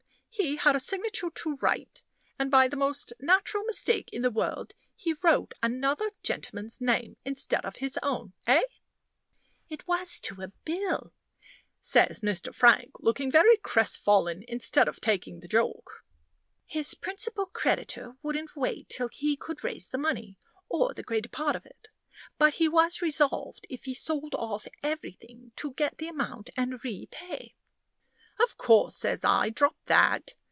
He had a signature to write; and, by the most natural mistake in the world, he wrote another gentleman's name instead of his own eh?" "It was to a bill," says Mr. Frank, looking very crestfallen, instead of taking the joke. "His principal creditor wouldn't wait till he could raise the money, or the greater part of it. But he was resolved, if he sold off everything, to get the amount and repay " "Of course," says I, "drop that.